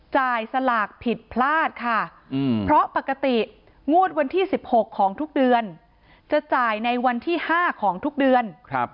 สลากผิดพลาดค่ะเพราะปกติงวดวันที่๑๖ของทุกเดือนจะจ่ายในวันที่๕ของทุกเดือน